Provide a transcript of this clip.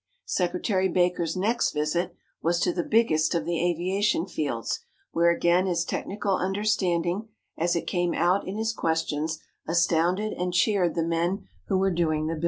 Secretary Baker's next visit was to the biggest of the aviation fields, where again his technical understanding, as it came out in his questions, astounded and cheered the men who were doing the building.